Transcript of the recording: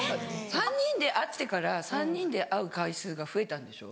３人で会ってから３人で会う回数が増えたんでしょ？